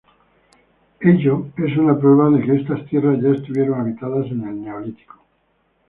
Ello es una prueba de que estas tierras ya estuvieron habitadas en el Neolítico.